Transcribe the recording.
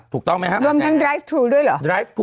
ถูกต้องไหมครับ